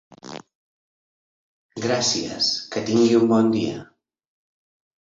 Gràcies, que tingui bon dia.